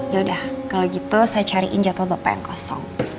yaudah kalau gitu saya cariin jadwal bapak yang kosong